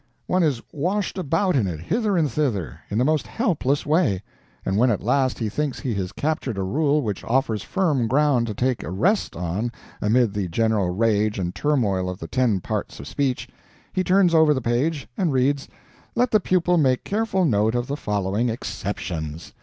One is washed about in it, hither and thither, in the most helpless way; and when at last he thinks he has captured a rule which offers firm ground to take a rest on amid the general rage and turmoil of the ten parts of speech, he turns over the page and reads, "Let the pupil make careful note of the following EXCEPTIONS."